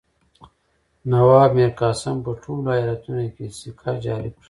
نواب میرقاسم په ټولو ایالتونو کې سکه جاري کړه.